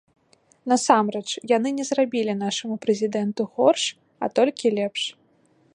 Насамрэч, яны не зрабілі нашаму прэзідэнту горш, а толькі лепш.